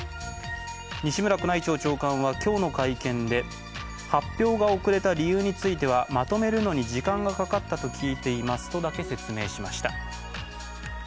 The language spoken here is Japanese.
西村宮内庁長官は今日の会見で発表が遅れた理由については、まとめるのに時間がかかったと聞いていますとだけ説明しました。